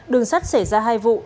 đường sắt xảy ra hai vụ